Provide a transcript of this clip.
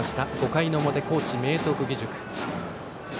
５回の表、高知・明徳義塾。